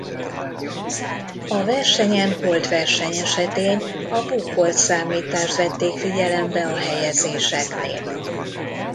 A versenyen holtverseny esetén a Buchholz-számítást vették figyelembe a helyezéseknél.